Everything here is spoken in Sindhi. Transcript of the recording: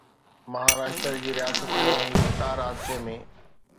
مهاراشٽر جي رياست ۾ هڪ ڪار حادثي ۾